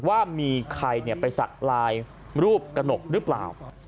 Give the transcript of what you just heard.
ว่ามีใครไปสักลายรูปกระหนกหรือเปล่า